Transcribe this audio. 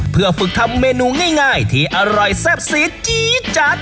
เพื่อฝึกทำเมนูง่ายที่อร่อยแซ่บสีจี๊ดจัด